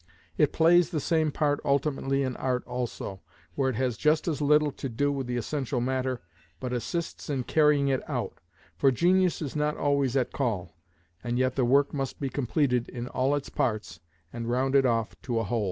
It plays the same part ultimately in art also, where it has just as little to do with the essential matter, but assists in carrying it out, for genius is not always at call, and yet the work must be completed in all its parts and rounded off to a whole.